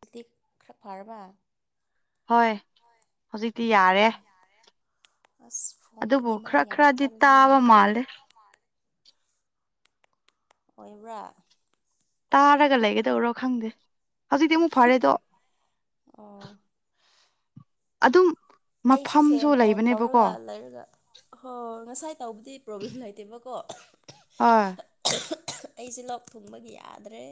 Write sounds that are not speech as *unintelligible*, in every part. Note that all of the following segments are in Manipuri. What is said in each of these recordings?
ꯈꯔꯥ ꯐꯔꯕ ꯍꯣꯏ ꯍꯧꯖꯤꯛꯇꯤ ꯌꯥꯔꯦ꯫ ꯑꯁ ꯐꯣꯟꯁꯨ ꯑꯗꯨꯕꯨ ꯈꯔ ꯗꯤꯃꯥꯟ ꯌꯥꯝ ꯈꯔꯗꯤ ꯀꯜꯂꯤꯅꯦ꯫ ꯇꯥꯕ ꯃꯥꯜꯂꯦ ꯑꯣꯏꯕ꯭ꯔꯥ ꯇꯥꯔꯒ ꯂꯩꯒꯗꯧꯔꯣ ꯈꯪꯗꯦ ꯍꯧꯖꯤꯛꯇꯤ ꯑꯃꯨꯛ ꯐꯔꯦꯗꯣ ꯑꯣ ꯑꯗꯨꯝ ꯑꯩꯁꯨ ꯐꯦꯟ ꯃꯐꯝꯁꯨ ꯑꯣꯟ ꯂꯩꯕꯅꯦꯕꯀꯣ ꯇꯧꯔꯒ ꯂꯩꯔꯒ ꯍ ꯉꯁꯥꯏ ꯇꯧꯕꯗꯤ ꯄ꯭ꯔꯣꯕ꯭ꯂꯦꯝ ꯂꯩꯇꯦꯕꯀꯣ ꯑ ꯑꯩꯁꯦ ꯂꯣꯛ ꯊꯨꯡꯕꯒꯤ ꯌꯥꯗ꯭ꯔꯦ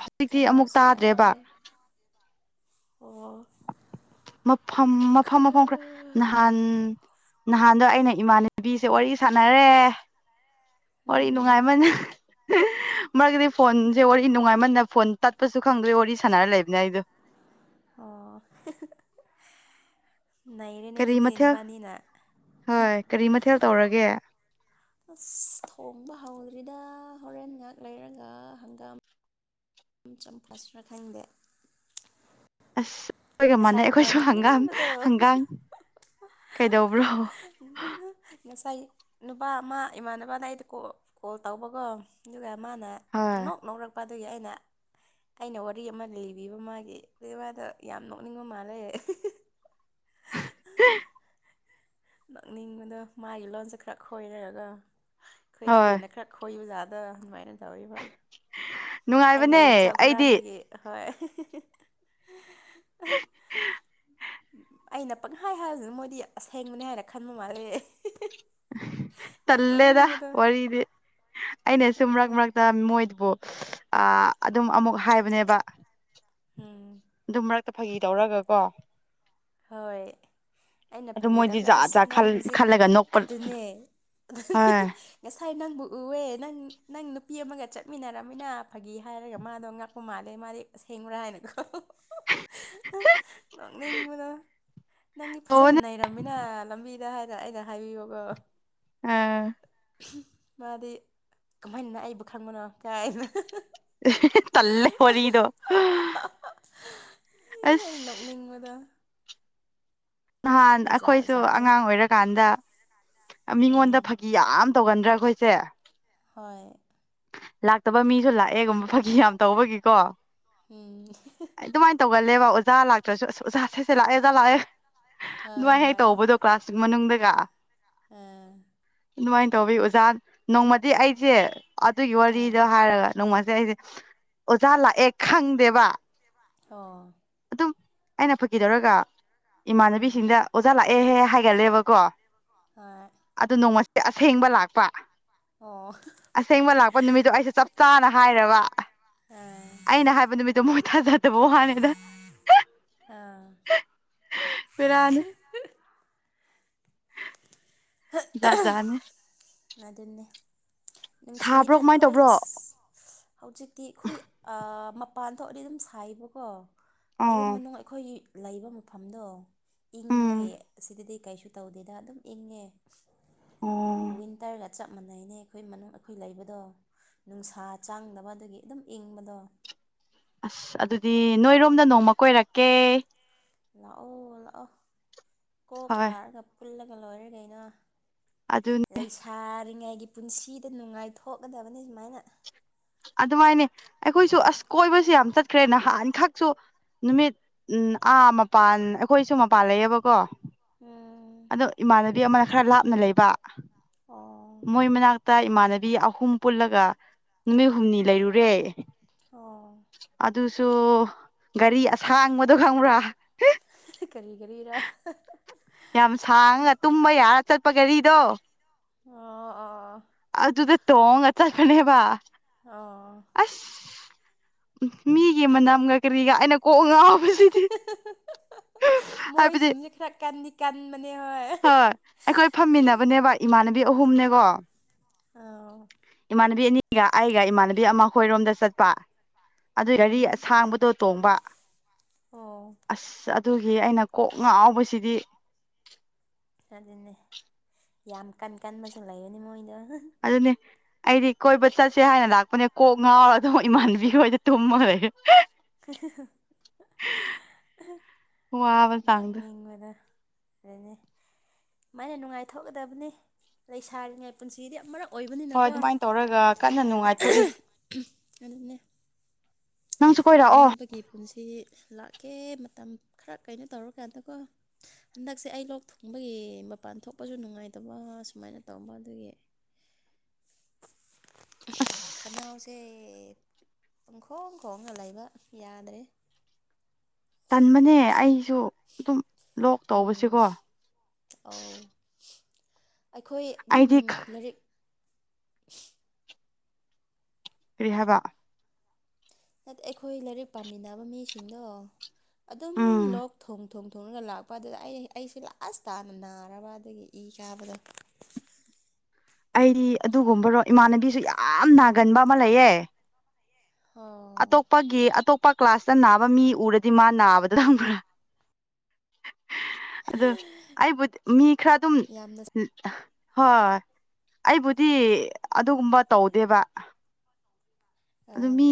ꯍꯧꯖꯤꯛꯇꯤ ꯑꯃꯨꯛ ꯈꯅꯥꯎꯁꯨ ꯇꯥꯗ꯭ꯔꯦꯕ ꯌꯥꯗ꯭ꯔꯦ ꯑꯣ ꯃꯐꯝ ꯃꯐꯝ ꯈꯅꯥ ꯃꯐꯝ ꯈꯔ ꯅꯍꯥꯟ ꯅꯍꯥꯟꯗꯣ ꯑꯩꯅ ꯏꯃꯥꯟꯅꯕꯤꯁꯦ ꯋꯥꯔꯤ ꯁꯥꯟꯅꯔꯦ ꯋꯥꯔꯤ ꯎꯝ ꯅꯨꯡꯉꯥꯏꯃꯟꯅꯦ ꯃꯔꯛꯇꯗꯤ ꯐꯣꯟꯁꯦ ꯋꯥꯔꯤ ꯅꯨꯡꯉꯥꯏꯃꯟꯅ ꯐꯣꯟ ꯇꯠꯄꯁꯨ ꯈꯪꯗ꯭ꯔꯦ ꯋꯥꯔꯤ ꯁꯥꯟꯅꯔ ꯂꯩꯕꯅꯤ ꯑꯩꯗꯣ ꯑꯣ ꯅꯩꯅꯔꯦ ꯀꯔꯤ ꯃꯊꯦꯜ ꯅꯩꯅꯔꯦꯗꯤꯅꯦꯕꯅꯤꯅ ꯍꯣꯏ ꯀꯔꯤ ꯃꯊꯦꯜ ꯇꯧꯔꯒꯦ ꯑꯁ ꯊꯣꯡꯕ ꯍꯧꯗ꯭ꯔꯤꯗ ꯍꯣꯔꯦꯟ ꯉꯥꯏꯍꯥꯛ ꯂꯩꯔꯒ ꯍꯪꯒꯥꯝ ꯆꯝ ꯐꯠꯁꯤ꯭ꯔꯥ ꯈꯪꯗꯦ ꯑꯁ ꯑꯩꯣꯏꯒ ꯃꯥꯟꯅꯩ ꯉꯁꯥꯏꯀꯣ ꯑꯩꯈꯣꯏꯁꯨ ꯍꯪꯒꯥꯝ ꯅꯣꯛꯅꯤꯡꯕꯗꯣ ꯍꯪꯒꯥꯝ ꯀꯩꯗꯧꯕ꯭ꯔꯣ ꯉꯁꯥꯏ ꯅꯨꯄꯥ ꯑꯃ ꯏꯃꯥꯟꯅꯄꯥꯅ ꯑꯩꯗ ꯀꯣꯜ ꯇꯧꯕꯀꯣ ꯑꯗꯨꯒ ꯃꯥꯅ ꯍꯣꯏ ꯄꯅꯧ ꯅꯧꯔꯛꯄ ꯑꯗꯨꯒꯤ ꯑꯩꯅ ꯑꯩꯅ ꯋꯥꯔꯤ ꯑꯃ ꯂꯤꯕꯤꯕ ꯃꯥꯒꯤ ꯑꯗꯨꯒꯤ ꯃꯥꯗꯣ ꯌꯥꯝ ꯅꯣꯛꯅꯤꯡꯕ ꯃꯥꯜꯂꯦ *inaudible* ꯅꯛꯅꯤꯡꯕꯗꯣ ꯃꯥꯒꯤ ꯂꯣꯟꯁꯦ ꯈꯔ ꯈꯣꯏꯔꯔꯒ ꯑꯩꯈꯣꯏꯗꯒꯤ ꯍꯣꯏ ꯍꯦꯟꯅ ꯈꯔ ꯈꯣꯏꯕꯖꯥꯗꯕ ꯑꯗꯨꯃꯥꯏꯅ ꯇꯧꯔꯤꯕ ꯑꯩꯅ ꯅꯨꯡꯉꯥꯏꯕꯅꯦ ꯌꯣꯡꯆꯥꯛ ꯑꯩꯗꯤ ꯍꯨꯔꯥꯟꯕꯒꯤ ꯍꯣꯏ ꯑꯩꯅ ꯄꯪꯍꯥꯏ ꯍꯥꯏꯔꯤꯕꯁꯤꯅ ꯃꯣꯏꯗꯤ ꯑꯁꯦꯡꯕꯅꯦ ꯍꯥꯏꯅ ꯈꯟꯕ ꯃꯥꯜꯂ ꯇꯜꯂꯦꯗ ꯋꯥꯔꯤꯗꯤ ꯑꯩꯅ ꯁꯨꯝ ꯃꯔꯛ ꯑꯗꯨꯅꯦ ꯃꯔꯛ ꯗ ꯃꯣꯏꯗꯨꯕꯨ ꯑꯗꯨꯝ ꯑꯃꯨꯛ ꯍꯥꯏꯕꯅꯦꯕ ꯍꯝ ꯑꯗꯨꯝ ꯃꯔꯛꯇ ꯐꯥꯒꯤ ꯇꯧꯔꯒ ꯀꯣ ꯍꯣꯏ ꯑꯩꯅ ꯑꯗꯨ ꯐꯥꯒꯤ ꯃꯣꯏꯗꯤ ꯇꯧꯔꯒ ꯖꯥꯠ ꯑꯁ ꯖꯥꯠ ꯅꯪ ꯍꯧꯖꯤꯛ ꯈꯜꯂꯒ ꯅꯣꯛꯄ ꯑꯗꯨꯅꯦ ꯍꯣꯏ ꯉꯁꯥꯏ ꯅꯪꯕꯨ ꯎꯑꯦ ꯅꯪ ꯅꯪ ꯅꯨꯄꯤ ꯑꯃꯒ ꯆꯠꯃꯤꯟꯅꯔꯃꯤꯅ ꯐꯥꯒꯤ ꯍꯥꯏꯔꯒ ꯃꯥꯗꯣ ꯉꯥꯛꯄ ꯃꯥꯜꯂꯦ ꯃꯥꯗꯤ ꯁꯦꯡꯔꯥ ꯍꯥꯏꯅꯀꯣ ꯅꯣꯛꯅꯤꯡꯕꯗꯣ ꯅꯪꯒꯤ ꯐꯖꯅ ꯇꯧꯕꯅꯦ ꯂꯩꯔꯝꯃꯤꯅ ꯂꯝꯕꯤꯗ ꯍꯥꯏꯔ ꯑꯩꯅ ꯍꯥꯏꯕꯤꯌꯣꯒ ꯑꯥ ꯃꯥꯗꯤ ꯀꯃꯥꯏꯅꯅꯥꯏꯕ ꯈꯪꯕꯅꯣ ꯀꯥꯏꯅ ꯇꯂꯦ ꯋꯥꯔꯤꯗꯣ ꯑ ꯑ ꯑꯁ ꯅꯣꯛꯅꯤꯡꯕꯗ ꯅꯍꯥꯟ ꯖꯥꯠ ꯑꯩꯈꯣꯏꯁꯨ ꯖꯥꯠꯅꯤ ꯑꯉꯥꯡ ꯑꯣꯏꯔꯀꯥꯟꯗ ꯃꯤꯉꯣꯟꯗ ꯎꯝ ꯐꯥꯒꯤ ꯌꯥꯝ ꯇꯧꯒꯟꯗ꯭ꯔꯥ ꯑꯩꯈꯣꯏꯁꯦ ꯍꯣꯏ ꯂꯥꯛꯇꯕ ꯃꯤꯁꯨ ꯂꯥꯛꯑꯦꯒꯨꯝꯕ ꯐꯥꯒꯤ ꯌꯥꯝ ꯇꯧꯕꯒꯤꯀꯣ ꯎꯝ ꯑꯩ ꯑꯗꯨꯃꯥꯏꯅ ꯇꯧꯒꯜꯂꯦꯕ ꯑꯣꯖꯥ ꯂꯥꯛꯇ꯭ꯔꯁꯨ ꯑꯁ ꯑꯣꯥ ꯁꯩꯁꯦ ꯂꯥꯛꯑꯦ ꯑꯣꯖꯥ ꯂꯥꯛꯑꯦ ꯍꯣꯏ ꯅꯨꯡꯉꯥꯏꯍꯩ ꯍꯣꯏ ꯇꯧꯕꯗꯣ ꯀ꯭ꯂꯥꯁꯇ ꯃꯅꯨꯡꯗꯒ ꯑꯥ ꯑꯗꯨꯃꯥꯏꯅ ꯇꯧꯋꯤ ꯑꯣꯖꯥ ꯅꯣꯡꯃꯗꯤ ꯑꯩꯁꯦ ꯑꯗꯨꯒꯤ ꯑꯥ ꯋꯥꯔꯤꯗ ꯍꯥꯏꯔꯒ ꯅꯣꯡꯃꯁꯦ ꯑꯩꯁꯦ ꯑꯣꯖꯥ ꯂꯥꯛꯑꯦ ꯈꯪꯗꯦꯕ ꯑꯣ ꯑꯗꯨꯝ ꯑꯩꯅ ꯐꯈꯤꯗꯧꯔꯒ ꯑꯥ ꯏꯃꯥꯟꯅꯕꯤꯁꯤꯡꯗ ꯑꯣꯖꯥ ꯂꯥꯛꯑꯦꯍꯦ ꯍꯥꯏꯒꯜꯂꯦꯕꯀꯣ ꯍꯣꯏ ꯑꯗꯨ ꯅꯣꯡꯃꯁꯦ ꯑꯁꯦꯡꯕ ꯂꯥꯛꯄ ꯑꯣ ꯑꯄ ꯅꯨꯃꯤꯠꯇꯣ ꯑꯩꯁꯦ ꯆꯞ ꯆꯥꯅ ꯍꯥꯏꯔꯕ ꯑꯥ ꯑꯩꯅ ꯍꯥꯏꯕ ꯅꯨꯃꯤꯠꯇ ꯃꯣꯏ ꯊꯥꯖꯗꯕꯣ ꯍꯥꯟꯅꯗ ꯑꯥ ꯄꯦꯔꯥꯅꯦ ꯌꯥꯖꯅꯤ ꯑꯗꯨꯅꯤ ꯅꯨꯡꯁꯤꯅ ꯁꯥꯕ꯭ꯔꯣ ꯀꯃꯥꯏꯅ ꯑꯩꯈꯣꯏ ꯇꯧꯕ꯭ꯔꯣ ꯍꯧꯖꯤꯛꯇꯤ ꯑꯩꯈꯣꯏ ꯃꯄꯥꯟ ꯊꯣꯛꯑꯗꯤ ꯑꯗꯨꯝ ꯁꯥꯏꯕꯀꯣ ꯃꯌꯨꯝ ꯑꯣ ꯃꯅꯨꯡ ꯑꯩꯈꯣꯏꯒꯤ ꯂꯩꯕ ꯃꯐꯝꯗꯣ ꯏꯪꯕꯒꯤ ꯎꯝ ꯑꯁꯤꯗꯗꯤ ꯀꯩꯁꯨ ꯇꯧꯗꯦꯗ ꯑꯗꯨꯝ ꯏꯪꯉꯦ ꯑꯣ ꯋꯤꯟꯇꯔꯒ ꯆꯞ ꯃꯥꯟꯅꯩꯅꯦ ꯑꯩꯈꯣꯏ ꯃꯅꯨꯡ ꯑꯩꯈꯣꯏ ꯂꯩꯕꯗꯣ ꯅꯨꯡꯁꯥ ꯆꯥꯡꯗꯕ ꯑꯗꯨꯒꯤ ꯑꯗꯨꯝ ꯏꯪꯕꯗꯣ ꯑꯁ ꯑꯗꯨꯗꯤ ꯅꯣꯏꯔꯣꯝꯗ ꯅꯣꯡꯃ ꯀꯣꯏꯔꯛꯀꯦ ꯂꯥꯛꯑꯣ ꯂꯥꯛꯑꯣ ꯀꯣꯛ ꯍꯣꯏ ꯂꯥꯛꯑꯒ ꯄꯨꯜꯂꯒ ꯂꯣꯏꯔꯤꯈꯩꯅ ꯑꯗꯨ ꯂꯩꯁꯥꯔꯤꯉꯥꯏꯒꯤ ꯄꯨꯟꯁꯤꯗ ꯅꯨꯡꯉꯥꯏꯊꯣꯛꯀꯗꯕꯅꯤ ꯁꯨꯃꯥꯏꯅ ꯑꯗꯨꯃꯥꯏꯅꯦ ꯑꯩꯈꯣꯏꯁꯨ ꯑꯁ ꯀꯣꯏꯕꯁꯨ ꯌꯥꯝ ꯆꯠꯈ꯭ꯔꯦ ꯅꯍꯥꯟꯈꯛꯁꯨ ꯅꯨꯃꯤꯠ ꯎ ꯑꯥ ꯃꯄꯥꯟ ꯑꯩꯈꯣꯏꯁꯨ ꯃꯄꯥꯟ ꯂꯩꯌꯦꯕꯀꯣ ꯎꯝ ꯑꯗꯣ ꯏꯃꯥꯟꯅꯕꯤ ꯑꯃꯅ ꯈꯔ ꯂꯥꯞꯅ ꯂꯩꯕ ꯑꯣ ꯃꯣꯏ ꯃꯅꯥꯛꯇ ꯇ ꯏꯃꯥꯟꯅꯕꯤ ꯑꯍꯨꯝ ꯄꯨꯜꯂꯒ ꯅꯨꯃꯤꯠ ꯍꯨꯝꯅꯤ ꯂꯩꯔꯨꯔꯦ ꯑꯣ ꯑꯗꯨꯁꯨ ꯒꯥꯔꯤ ꯑꯁꯥꯡꯕꯗꯣ ꯈꯪꯕ꯭ꯔꯥ ꯀꯔꯤ ꯀꯔꯤꯔ ꯌꯥꯝ ꯁꯥꯡꯉ ꯇꯨꯝꯕ ꯌꯥꯔ ꯆꯠꯄ ꯒꯥꯔꯤꯗꯣ ꯑ ꯑꯥ ꯑꯗꯨ ꯑꯗꯨꯗ ꯇꯣꯡꯉ ꯑ ꯆ ꯀꯅꯦꯦꯕ ꯑꯣ ꯑꯁ ꯎ ꯃꯤꯒꯤ ꯃꯅꯝꯒ ꯀꯔꯤꯒ ꯑꯩꯅ ꯀꯣꯛꯉ ꯍꯥꯏꯕꯗꯤ ꯃꯣꯏꯁꯤꯡꯁꯦ ꯈꯔ ꯀꯟꯗꯤ ꯀꯟꯕꯅꯦ ꯍꯣꯏ ꯑꯩꯈꯣꯏ ꯐꯝꯃꯤꯟꯅꯕꯅꯦꯕ ꯏꯃꯥꯟꯅꯕꯤ ꯑꯍꯨꯝꯅꯦꯀꯣ ꯑꯥꯎ ꯏꯃꯥꯟꯅꯕꯤ ꯑꯅꯤꯒ ꯑꯩꯒ ꯏꯃꯥꯟꯅꯕꯤ ꯑꯃ ꯑꯩꯈꯣꯏꯔꯣꯝꯗ ꯆꯠꯄ ꯑꯗꯨ ꯌꯥꯔꯤ ꯎꯝ ꯑꯁꯥꯡꯕꯗꯣ ꯇꯣꯡꯕ ꯑꯣ ꯑꯁ ꯑꯗꯨꯒꯤ ꯑꯩꯅ ꯀꯣꯛ ꯉꯥꯎꯕꯁꯤꯗꯤ ꯑꯗꯨꯅꯦ ꯌꯥꯝ ꯀꯟ ꯀꯟꯕꯁꯨ ꯂꯩꯕꯅꯤ ꯃꯣꯏꯗꯣ ꯑꯗꯨ ꯑꯗꯨꯅꯅꯦ ꯑꯩꯗꯤ ꯀꯣꯏꯕ ꯆꯠꯁꯦ ꯍꯥꯏꯅ ꯂꯥꯛꯄꯅꯦ ꯀꯣꯛ ꯉꯥꯎꯔ ꯑꯗꯨꯝ ꯏꯃꯥꯟꯅꯕꯤ ꯍꯣꯏꯗ ꯇꯨꯝꯃꯔꯦ ꯍ ꯋꯥꯕ ꯆꯥꯡꯗꯣ ꯅꯥꯛꯅꯤꯡꯕꯗ ꯑꯗꯨꯅꯦ ꯃꯥꯥꯏꯅ ꯅꯨꯡꯉꯥꯏꯊꯣꯛꯀꯗꯕꯅꯤ ꯂꯩ ꯁꯥꯔꯤꯉꯩ ꯄꯨꯟꯁꯤꯗꯤ ꯑꯃ ꯃꯔꯛ ꯍꯣꯏ ꯑꯣꯏꯕꯅꯤꯅꯀ ꯑꯗꯨꯃꯥꯏꯅ ꯇꯧꯔꯒ ꯀꯟꯅ ꯅꯨꯡꯉꯥꯏꯊꯣꯛꯏ ꯑꯗꯨꯅꯦ ꯅꯪꯁꯨ ꯀꯣꯏꯔꯛꯑꯣ ꯃꯤꯑꯣꯏꯕꯒꯤ ꯄꯨꯟꯁꯤ ꯂꯥꯛꯀꯦ ꯃꯇꯝ ꯈꯔ ꯀꯩꯅꯣ ꯇꯧꯔꯀꯥꯟꯗꯀꯣ ꯍꯟꯗꯛꯁꯦ ꯑꯩ ꯂꯣꯛ ꯊꯨꯡꯕꯒꯤ ꯃꯄꯥꯟ ꯊꯣꯛꯄꯁꯨ ꯅꯨꯡꯉꯥꯏꯇꯕ ꯁꯨꯃꯥꯏꯅ ꯇꯝꯕ ꯑꯗꯨꯒꯤ ꯑꯁ ꯈꯅꯥꯎꯁꯦ ꯄꯨꯡꯈꯣꯡ ꯈꯣꯡꯒ ꯂꯩꯕ ꯌꯥꯗ꯭ꯔꯦ ꯇꯟꯕꯅꯦ ꯑꯩꯁꯨ ꯑꯗꯨꯝ ꯂꯣꯛ ꯎꯝ ꯇꯧꯕꯁꯤꯀꯣ ꯑꯧ ꯑꯩꯈꯣꯏ ꯑꯗꯨꯝ ꯑꯩꯗꯤ ꯂꯥꯏꯔꯤꯛ ꯀ꯭ꯔꯤꯍꯥꯏꯕ ꯑꯩꯈꯣꯏ ꯂꯥꯏꯔꯤꯛ ꯄꯥꯃꯤꯟꯅꯕ ꯃꯤꯁꯤꯡꯗꯣ ꯑꯗꯨꯝ ꯎꯝ ꯂꯣꯛ ꯊꯣꯡ ꯊꯣꯡ ꯊꯣꯡꯉꯒ ꯂꯥꯛꯄ ꯑꯗꯨꯗ ꯑꯩ ꯑꯩꯁꯦ ꯂꯥꯁ ꯇꯥꯅ ꯅꯥꯔꯕ ꯑꯗꯒꯤ ꯏ ꯀꯥꯕꯗꯣ ꯑꯩꯗꯤ ꯑꯗꯨꯒꯨꯝꯕꯔꯣ ꯏꯃꯥꯟꯅꯕꯤꯁꯨ ꯌꯥꯝ ꯅꯥꯒꯟꯕ ꯑꯃ ꯂꯩꯌꯦ ꯑꯣ ꯑꯇꯣꯞꯄꯒꯤ ꯑꯇꯣꯞꯄ ꯀ꯭ꯂꯥꯁꯇ ꯅꯥꯕ ꯃꯤ ꯎꯔꯗꯤ ꯃꯥ ꯅꯥꯕꯗ ꯍꯪꯕ꯭ꯔꯥ ꯑꯗꯨ ꯑꯩꯕꯨꯗꯤ ꯃꯤ ꯈꯔ ꯑꯗꯨꯝ ꯌꯥꯝꯅ ꯍꯣꯏ ꯑꯩꯕꯨꯗꯤ ꯑꯗꯨꯒꯨꯝꯕ ꯇꯧꯗꯦꯕ ꯑꯗꯨ ꯑꯥ ꯃꯤ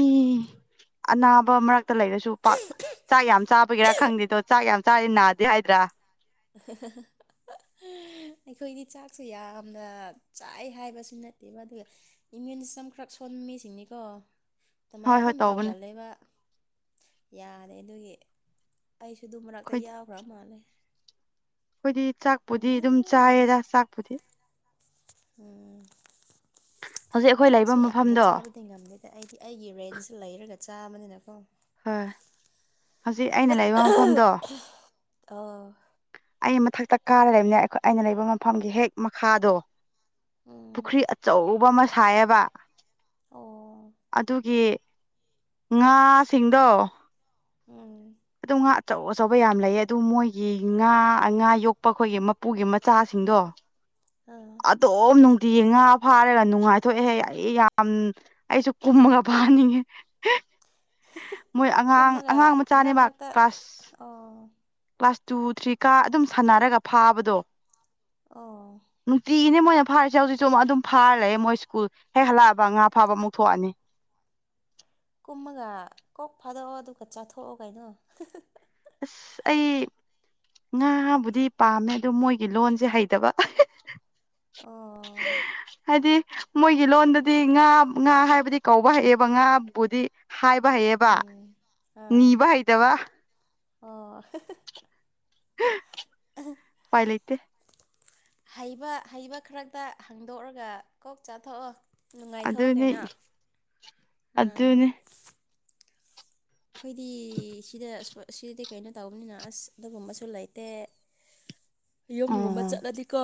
ꯑꯅꯥꯕ ꯃꯔꯛꯇ ꯂꯩꯔꯁꯨ ꯄꯥꯛ ꯆꯥꯛ ꯌꯥꯝ ꯆꯥꯕꯒꯤꯔꯥ ꯈꯪꯗꯦꯗꯣ ꯆꯥꯛ ꯌꯥꯝ ꯆꯥꯔꯤ ꯅꯥꯗꯦ ꯍꯥꯏꯗ꯭ꯔꯥ *unintelligible* ꯑꯩꯈꯣꯏꯗꯤ ꯆꯥꯛꯁꯨ ꯌꯥꯝꯅ ꯆꯥꯏ ꯍꯥꯏꯕꯁꯨ ꯅꯠꯇꯦꯕ ꯑꯗꯨꯒ ꯏꯃ꯭ꯌꯨꯟ ꯁꯤꯁꯇꯦꯝ ꯈꯔ ꯁꯣꯟꯕꯃꯤꯁꯤꯡꯅꯤꯀꯣ ꯑꯗꯨꯃꯥꯏꯅ ꯍꯣꯏ ꯍꯣꯏ ꯑꯗꯨꯝ ꯇꯧꯕꯅꯦ ꯇꯧꯒꯜꯂꯕ ꯌꯥꯔꯦ ꯑꯗꯨꯒꯤ ꯑꯩꯁꯨ ꯑꯗꯨ ꯃꯔꯅꯥꯛꯇ ꯑꯩꯈꯣꯏꯗꯤ ꯌꯥꯎꯈ꯭ꯔ ꯃꯥꯜꯂꯦ ꯑꯩꯈꯣꯏꯗꯤ ꯆꯥꯛꯄꯨꯗꯤ ꯄꯪꯅꯥ ꯑꯗꯨꯝ ꯅꯥꯔꯦ ꯆꯥꯏꯌꯦꯔ ꯆꯥꯛꯄꯨꯗꯤ ꯎꯝ ꯍꯧꯖꯤꯛ ꯑꯩꯈꯣꯏ ꯂꯩꯕ ꯆꯥꯛꯁꯨ ꯌꯥꯝꯅ ꯃꯐꯝꯗꯣ ꯆꯥꯕꯗꯤ ꯉꯝꯗꯦꯗ ꯑꯩꯗꯤ ꯑꯩꯒꯤ ꯔꯦꯟꯁꯤ ꯂꯩꯔꯒ ꯆꯥꯕꯅꯤꯅꯀꯣ ꯍꯣꯏ ꯍꯧꯖꯤꯛ ꯑꯩꯅ ꯂꯩꯕ ꯃꯐꯝꯗꯣ ꯑ ꯑꯩ ꯃꯊꯛꯇ ꯀꯥꯔ ꯂꯩꯕꯅꯦ ꯑꯩꯈ ꯑꯩꯅ ꯂꯩꯕ ꯃꯐꯝꯒꯤ ꯍꯦꯛ ꯃꯈꯥꯗꯣ ꯎꯝ ꯄꯨꯈ꯭ꯔꯤ ꯑꯆꯧꯕ ꯑꯃ ꯁꯥꯏꯑꯕ ꯑꯣ ꯑꯗꯨꯒꯤ ꯉꯥꯁꯤꯡꯗꯣ ꯎꯝ ꯑꯗꯨꯝ ꯉꯥ ꯑꯆꯧ ꯑꯆꯧꯕ ꯌꯥꯝ ꯂꯩꯌꯦ ꯑꯗꯨ ꯃꯣꯏꯒꯤ ꯉꯥ ꯉꯥ ꯌꯣꯛꯄ ꯑꯩꯈꯣꯏꯒꯤ ꯃꯄꯨꯒꯤ ꯃꯆꯥꯁꯤꯡꯗꯣ ꯑꯥ ꯑꯇꯣꯝ ꯅꯨꯡꯇꯤꯒꯤ ꯉꯥ ꯐꯥꯔꯒ ꯅꯨꯡꯉꯥꯏꯊꯣꯛꯑꯦꯍꯦ ꯑꯩ ꯌꯥꯝ ꯑꯩꯁꯨ ꯀꯨꯝꯃꯒ ꯐꯅꯤꯡꯉꯦ꯫ *inaudible* ꯃꯣꯏ ꯑꯉꯥꯡ ꯑꯉꯥꯡ ꯃꯆꯥꯅꯦꯕ ꯀ꯭ꯂꯥꯁ ꯑꯥ ꯀ꯭ꯂꯥꯁ ꯇꯨ ꯊ꯭ꯔꯤ ꯀꯥ ꯑꯗꯨꯝ ꯁꯥꯟꯅꯔꯒ ꯐꯥꯕꯗꯣ ꯑꯥ ꯅꯨꯡꯇꯤꯒꯤꯅꯦ ꯃꯣꯏꯅ ꯐꯥꯔꯤꯁꯦ ꯍꯧꯖꯤꯛꯁꯨ ꯑꯃꯨꯛ ꯑꯗꯨꯝ ꯐꯥꯔ ꯂꯩ ꯃꯣꯏ ꯁ꯭ꯀꯨꯜ ꯍꯦꯛ ꯍꯜꯂꯛꯑꯕ ꯉꯥ ꯐꯥꯕ ꯑꯃꯨꯛ ꯊꯣꯛꯑꯅꯤ ꯀꯨꯝꯃꯒ ꯀꯣꯛ ꯐꯥꯗꯣꯛꯑꯣ ꯑꯗꯨꯒ ꯆꯥꯊꯣꯛꯑꯣ ꯀꯩꯅꯣ ꯑꯁ ꯑꯩ ꯉꯥꯕꯨꯗꯤ ꯄꯥꯝꯃꯦ ꯑꯗꯨ ꯃꯣꯏꯒꯤ ꯂꯣꯟꯁꯦ ꯍꯩꯇꯕ ꯑ ꯍꯥꯏꯗꯤ ꯃꯣꯏꯒꯤ ꯂꯣꯟꯗꯗꯤ ꯉꯥ ꯉꯥ ꯍꯥꯏꯕꯗꯤ ꯀꯧꯕ ꯍꯩꯑꯦꯕ ꯉꯥꯕꯨꯗꯤ ꯍꯥꯏꯕ ꯍꯩꯌꯦꯕ ꯎꯝ ꯑꯥ ꯅꯤꯕ ꯍꯩꯇꯕ ꯑꯣ ꯄꯥꯏ ꯂꯩꯇꯦ ꯍꯩꯕ ꯍꯩꯕ ꯈꯔꯛꯇ ꯍꯥꯡꯗꯣꯛꯑꯒ ꯀꯣꯛ ꯆꯥꯊꯣꯛꯑꯣ ꯅꯨꯡꯉꯥꯏꯊꯣꯛꯑꯣ ꯑꯗꯨꯅꯤ ꯀꯩꯅꯣ ꯑꯥ ꯑꯗꯨꯅꯤ ꯑꯩꯈꯣꯏꯗꯤ ꯁꯤꯗ ꯁꯤꯗꯗꯤ ꯀꯩꯅꯣ ꯇꯧꯕꯅꯤꯅ ꯑꯁ ꯑꯗꯨꯒꯨꯝꯕꯁꯨ ꯂꯩꯇꯦ ꯌꯨꯝꯒꯨꯝꯕ ꯑꯣ ꯆꯠꯂꯗꯤꯀꯣ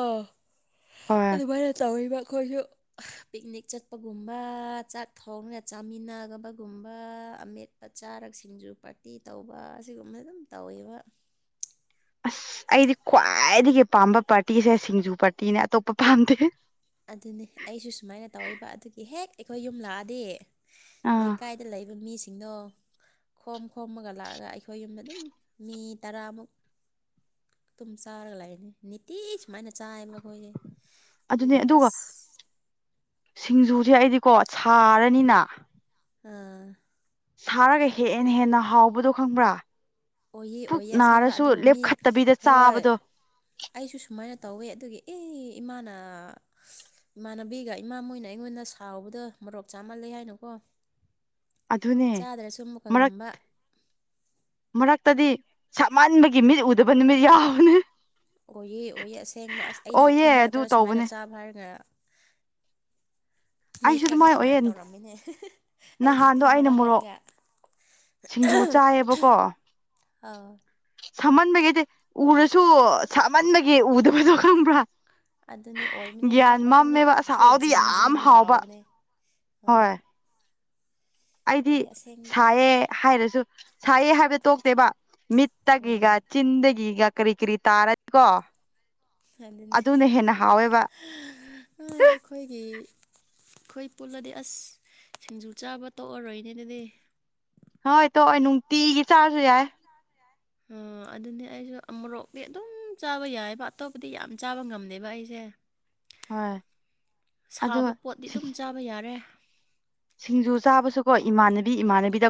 ꯍꯣꯏ ꯑꯗꯨꯃꯥꯏꯅ ꯇꯧꯔꯤꯕ ꯑꯩꯈꯣꯏꯁꯨ ꯄꯤꯛꯅꯤꯛ ꯆꯠꯄꯒꯨꯝꯕ ꯆꯥꯛ ꯊꯣꯡꯅ ꯆꯥꯃꯤꯟꯅꯕꯒꯨꯝꯕ ꯑꯃꯦꯠ ꯆꯥꯔꯛꯁꯤꯡꯖꯨ ꯄꯥꯔꯇꯤ ꯇꯧꯕ ꯑꯁꯤꯒꯨꯝꯕꯅ ꯑꯗꯨꯝ ꯇꯧꯋꯦꯕ ꯑꯁ ꯑꯩꯗꯤ ꯈ꯭ꯋꯥꯏꯗꯒꯤ ꯄꯥꯝꯕ ꯄꯥꯔꯇꯤꯁꯦ ꯁꯤꯡꯖꯨ ꯄꯥꯔꯇꯤꯅꯦ ꯑꯇꯣꯞꯄ ꯄꯥꯝꯗꯦ ꯑꯗꯨꯅꯤ ꯑꯩꯁꯨ ꯁꯨꯃꯥꯏꯅ ꯇꯧꯕ ꯑꯗꯨꯒꯤ ꯍꯦꯛ ꯑꯩꯈꯣꯏ ꯌꯨꯝ ꯂꯥꯛꯑꯗꯤ ꯑꯥ ꯂꯩꯀꯥꯏꯗ ꯂꯩꯕ ꯃꯤꯁꯤꯡꯗꯣ ꯈꯣꯝ ꯈꯣꯝꯃꯒ ꯂꯥꯛꯑꯒ ꯑꯩꯈꯣꯏ ꯌꯨꯝꯗ ꯑꯗꯨꯝ ꯃꯤ ꯇꯔꯥꯃꯨꯛ ꯇꯨꯝ ꯆꯥꯔꯒ ꯂꯩꯥꯛꯏꯅꯦ ꯅꯤꯇꯤ ꯁꯨꯃꯥꯏꯅ ꯆꯥꯏꯌꯦꯕ ꯑꯩꯈꯣꯏꯁꯦ ꯑꯗꯨꯅꯦ ꯑꯗꯨꯒꯤ ꯑꯗꯨꯒ ꯑꯁ ꯁꯤꯡꯖꯨꯁꯦ ꯑꯩꯗꯤꯀꯣ ꯁꯥꯔꯅꯤꯅ ꯑꯥ ꯁꯥꯔꯒ ꯍꯦꯛ ꯍꯦꯟꯅ ꯍꯦꯟꯅ ꯍꯥꯎꯕꯗꯣ ꯈꯪꯕ꯭ꯔꯥ ꯑꯣꯏꯏ ꯄꯨꯛ ꯑꯣꯏꯌꯦ ꯑꯁꯦꯡꯕ ꯅꯥꯔꯁꯨ ꯑꯗꯨꯕꯨ ꯃꯤ ꯂꯦꯞꯈꯠꯇꯕꯤꯗ ꯍꯣꯏ ꯆꯥꯕꯗꯣ ꯑꯩꯁꯨ ꯁꯨꯃꯥꯏꯅ ꯇꯧꯋꯦ ꯑꯗꯨꯒꯤ ꯏ ꯏꯃꯥꯅ ꯏꯃꯥꯟꯅꯕꯤꯒ ꯏꯃꯥ ꯃꯣꯏꯅ ꯑꯩꯉꯣꯟꯗ ꯁꯥꯎꯕꯗ ꯃꯔꯣꯛ ꯆꯥꯃꯜꯂꯦ ꯍꯥꯏꯅꯀꯣ ꯑꯗꯨꯅꯦ ꯆꯥꯗ꯭ꯔꯁꯨ ꯃꯨꯛꯀ ꯃꯔꯛ ꯉꯝꯕ ꯃꯔꯛꯇꯗꯤ ꯁꯞꯃꯟꯕꯒꯤ ꯃꯤꯠ ꯎꯗꯕ ꯅꯨꯃꯤꯠ ꯌꯥꯎꯅꯤ ꯑꯣꯏꯌꯦ ꯑꯣꯏꯌꯦ ꯑꯁꯦꯡꯕ ꯑꯁ ꯑꯩꯗꯤ ꯑꯣꯏꯌꯦ ꯏꯊꯟꯗ ꯑꯗꯨ ꯈꯛꯇꯔ ꯁꯨꯃꯥꯏꯅ ꯇꯧꯕꯅꯦ ꯆꯥꯕ ꯍꯥꯏꯔꯤꯒ ꯃꯤ ꯑꯩꯁꯨ ꯈꯔꯗꯤ ꯑꯗꯨꯃꯥꯏꯅ ꯑꯣꯏꯌꯦ ꯁꯨꯃꯥꯏꯅ ꯇꯧꯔꯝꯃꯤꯅꯦ ꯑꯩꯗꯤ ꯅꯍꯥꯟꯗꯣ ꯑꯩꯅ ꯏꯊꯟꯗꯔ ꯃꯣꯔꯣꯛ ꯍꯥꯏꯔꯒ ꯁꯤꯡꯖꯨ ꯆꯥꯏꯌꯦꯕꯀꯣ ꯑꯥꯎ ꯁꯥꯝꯃꯟꯕꯒꯤꯗꯤ ꯎꯔꯁꯨ ꯁꯥꯝꯃꯟꯕꯒꯤ ꯎꯗꯕꯗꯣ ꯈꯪꯕ꯭ꯔꯥ ꯑꯗꯨꯅꯦ ꯑꯣꯏꯕꯅꯦ ꯃꯔꯛ ꯒ꯭ꯌꯥꯟ ꯃꯔ ꯃꯝꯃꯦꯕ ꯃꯤꯠꯁꯦ ꯑꯁꯥꯎꯗꯤ ꯖꯤꯡ ꯌꯥꯝ ꯖꯤꯡ ꯍꯥꯎꯕ ꯂꯥꯎꯕꯅꯦ ꯍꯣꯏ ꯑꯩꯗꯤ ꯑꯣꯏꯌꯦ ꯑꯁꯦꯡꯕ ꯁꯥꯏꯌꯦ ꯍꯥꯏꯔꯁꯨ ꯁꯥꯏꯌꯦ ꯍꯥꯏꯕꯗꯣ ꯇꯣꯛꯇꯦꯕ ꯎꯝ ꯃꯤꯠꯇꯒꯤꯒ ꯆꯤꯟꯗꯒꯤꯒ ꯀꯔꯤ ꯀꯔꯤ ꯇꯥꯔꯅꯤ ꯀꯣ ꯑꯗꯨꯅꯦ ꯍꯥꯎꯋꯦꯕ ꯑꯩꯈꯣꯏꯒꯤ ꯑꯩꯈꯣꯏ ꯄꯨꯜꯂꯗꯤ ꯑꯁ ꯁꯤꯡꯖꯨ ꯆꯥꯕ ꯇꯣꯛꯑꯔꯣꯏꯅꯦ ꯑꯗꯨꯗꯤ ꯍꯣꯏ ꯇꯣ ꯅꯨꯡꯇꯤꯒꯤ ꯆꯥꯔꯁꯨ ꯌꯥꯏ ꯑꯣ ꯑꯗꯨꯅꯦ ꯑꯩꯁꯨ ꯃꯣꯔꯣꯛꯇꯤ ꯑꯗꯨꯝ ꯆꯥꯕ ꯌꯥꯏꯑꯕ ꯑꯇꯣꯞꯄꯗꯤ ꯌꯥꯝ ꯆꯥꯕ ꯉꯝꯃꯦꯕ ꯑꯩꯁꯦ ꯍꯣꯏ ꯑꯗꯣ ꯁꯥꯕ ꯄꯣꯠꯤ ꯑꯗꯨꯝ ꯆꯥꯕ ꯌꯥꯔꯦ ꯁꯤꯡꯖꯨ ꯆꯥꯕꯁꯨꯀꯣ ꯏꯃꯥꯟꯅꯕꯤ ꯏꯃꯥꯟꯅꯕꯤꯗ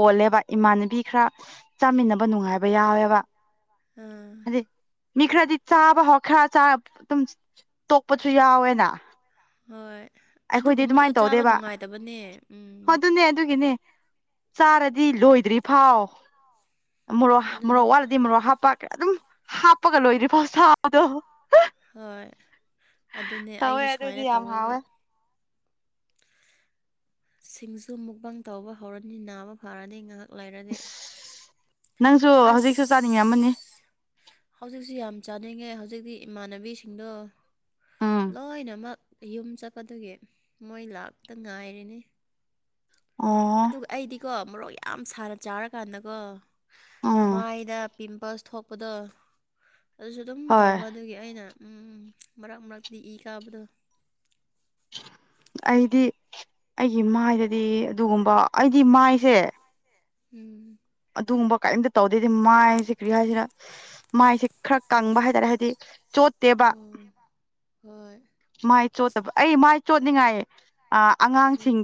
ꯄꯣꯜꯂꯦꯕ ꯏꯃꯥꯟꯅꯕꯤ ꯈꯔ ꯆꯥꯃꯤꯟꯅꯕ ꯅꯨꯡꯉꯥꯏꯕ ꯌꯥꯎꯋꯦꯕ ꯑꯥ ꯍꯥꯏꯗꯤ ꯃꯤ ꯈꯔꯗꯤ ꯆꯥꯕ ꯍꯥꯎ ꯈꯔ ꯑꯗꯨꯝ ꯇꯣꯛꯄꯁꯨ ꯌꯥꯎꯋꯦꯅ ꯍꯣꯏ ꯑꯩꯈꯣꯏꯗꯤ ꯑꯗꯨꯒꯨꯝꯕꯗꯣ ꯑꯗꯨꯃꯥꯏꯅ ꯆꯥꯕ ꯇꯧꯗꯦꯕ ꯅꯨꯡꯉꯥꯏꯇꯕꯅꯦ ꯎꯝ ꯑꯗꯨꯅꯦ ꯑꯗꯨꯒꯤꯅꯦ ꯆꯥꯔꯗꯤ ꯂꯣꯏꯗ꯭ꯔꯤ ꯐꯥꯎ ꯃꯣꯔꯣꯛ ꯑꯗꯨꯅꯦ ꯃꯣꯔꯣꯛ ꯋꯥꯠꯂꯗꯤ ꯗꯤ ꯃꯔꯣꯛ ꯍꯥꯞꯄ ꯑꯗꯨꯝ ꯍꯥꯞꯄꯒ ꯂꯣꯏꯗ꯭ꯔꯤ ꯐꯥꯎ ꯁꯥꯥꯎꯗꯣ ꯍꯣꯏ ꯑꯗꯨꯅꯦ ꯑꯩꯁꯨ ꯁꯨꯃꯥꯏꯅ ꯇꯧꯋꯕ ꯁꯤꯡꯖꯨ ꯃꯨꯛꯕꯥꯪ ꯇꯧꯕ ꯍꯧꯔꯅꯤ ꯅꯥꯕ ꯐꯥꯔꯅꯤ ꯉꯥꯏꯍꯥꯛ ꯂꯩꯔꯗꯤ ꯅꯪꯁꯨ ꯑꯁ ꯍꯧꯖꯤꯛꯁꯨ ꯆꯥꯅꯤꯡꯉꯤ ꯑꯃꯅꯤ ꯍꯧꯖꯤꯛꯁꯨ ꯌꯥꯝ ꯆꯥꯅꯤꯡꯉꯦ ꯍꯧꯖꯤꯛꯇꯤ ꯏꯃꯥꯟꯅꯕꯤꯁꯤꯡꯗꯣ ꯎꯝ ꯂꯣꯏꯅꯃꯛ ꯌꯨꯝ ꯆꯠꯄꯗꯨꯒꯤ ꯃꯣꯏ ꯂꯥꯛꯇ ꯉꯥꯏꯔꯤꯅꯤ ꯑꯣ ꯑꯗꯨꯒ ꯑꯩꯗꯤꯀꯣ ꯃꯔꯣꯛ ꯌꯥꯝ ꯁꯅ ꯆꯥꯔꯀꯥꯟꯗꯀꯣ ꯎꯝ ꯃꯥꯏꯗ ꯄꯤꯝꯄꯜꯁ ꯊꯣꯛꯄꯗꯣ ꯑꯗꯨꯁꯨ ꯑꯗꯨꯝ ꯍꯣꯏ ꯇꯧꯕ ꯑꯗꯨꯒꯤ ꯑꯩꯅ ꯎꯝ ꯃꯔꯛ ꯃꯔꯛꯇꯤ ꯏ ꯀꯥꯕꯗꯣ ꯑꯩꯗꯤ ꯑꯩꯒꯤ ꯃꯥꯏꯗꯗꯤ ꯑꯗꯨꯒꯨꯝꯕ ꯑꯩꯗꯤ ꯃꯥꯏꯁꯦ ꯎꯝ ꯑꯗꯨꯒꯨꯝꯕ ꯀꯔꯤꯝꯇ ꯇꯧꯗꯦꯗꯤ ꯃꯥꯏꯁꯦ ꯀ꯭ꯔꯤ ꯍꯥꯏꯁꯤꯅ ꯃꯥꯏꯁꯦ ꯈꯔ ꯀꯪꯕ ꯍꯥꯏꯇꯥꯔꯦ ꯍꯥꯏꯗꯤ ꯆꯣꯠꯇꯦꯕ ꯎꯝ ꯍꯣꯏ ꯃꯥꯏ ꯆꯣꯠꯇꯕ ꯑꯩ ꯃꯥꯏ ꯆꯣꯠꯅꯤꯡꯉꯥꯏ ꯎꯝ ꯑꯉꯥꯡꯁꯤꯡꯒꯤ